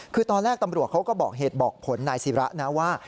คือตอนแรกตำรวจเขาก็บอกเหตุบอกผลนายศิระนะว่า